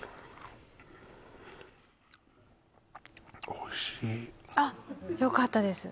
おいしいあっよかったです